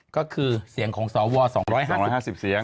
ก็คือเสียงของสว๒๕๕๐เสียง